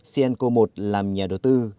sienco một làm nhà đầu tư